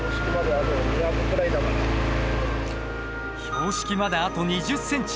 標識まであと２０ｃｍ。